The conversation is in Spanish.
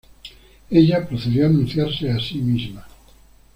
Ella procedió a anunciarse a sí misma.